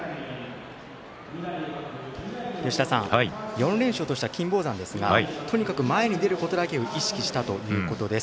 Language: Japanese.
４連勝とした金峰山も前に出ることだけを意識したという話です。